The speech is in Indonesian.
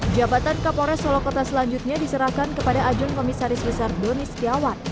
jabatan kapolres solokota selanjutnya diserahkan kepada ajong komisaris besar donis kiawat